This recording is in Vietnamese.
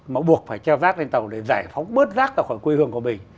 mà buộc phải treo rác lên tàu để giải phóng bớt rác ra khỏi quê hương của mình